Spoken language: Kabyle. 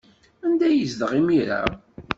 Anda ay yezdeɣ imir-a?